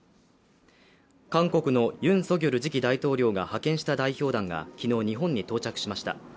韓国のユン・ソギョル次期大統領が派遣した代表団が昨日、日本に到着しました。